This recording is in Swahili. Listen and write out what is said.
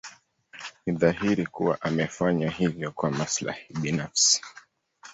Ni dhahiri kuwa amefanya hivyo kwa maslahi binafsi.